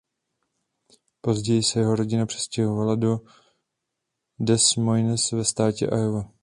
Později se jeho rodina přestěhovala do Des Moines ve státě Iowa.